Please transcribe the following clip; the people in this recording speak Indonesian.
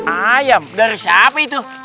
ayam dari siapa itu